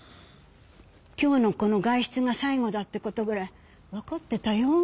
今日のこの外出が最後だってことぐらいわかってたよ。